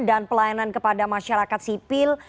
dan pelayanan kepada masyarakat sipil